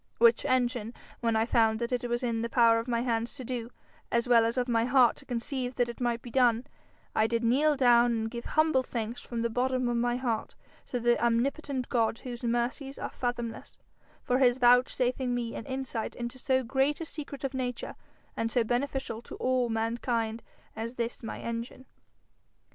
Which engine when I found that it was in the power of my hands to do, as well as of my heart to conceive that it might be done, I did kneel down and give humble thanks from the bottom of my heart to the omnipotent God whose mercies are fathomless, for his vouchsafing me an insight into so great a secret of nature and so beneficial to all mankind as this my engine.'